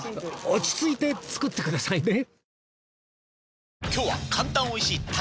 落ち着いて作ってくださいね